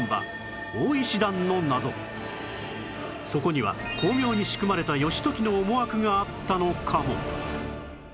そこには巧妙に仕組まれた義時の思惑があったのかも